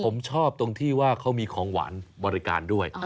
ผมชอบตรงที่ว่าเขามีของหวานบริการด้วย